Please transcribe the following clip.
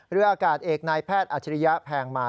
เรืออากาศเอกนายแพทย์อัจฉริยะแพงมา